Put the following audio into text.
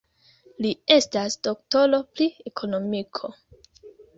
Li estas doktoro pri ekonomiko.